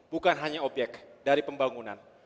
bukan hanya obyek dari pembangunan